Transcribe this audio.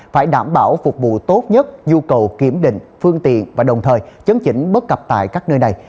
phải đảm bảo phục vụ tốt nhất nhu cầu kiểm định phương tiện và đồng thời chấn chỉnh bất cập tại các nơi này